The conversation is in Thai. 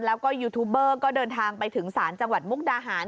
แล้วก็ยูทูบเบอร์ก็เดินทางไปถึงศาลจังหวัดมุกดาหาร